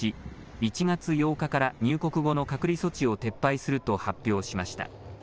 １月８日から入国後の隔離措置を撤廃すると発表しました。